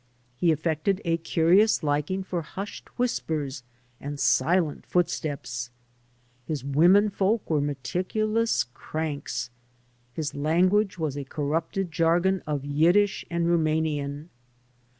He affected a curious liking for hushed whispers and silent footsteps. His women folks were meticulous cranks. | His language was a corrupted jargon of Yiddish and \ Rumanian.